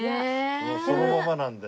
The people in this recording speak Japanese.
そのままなんで。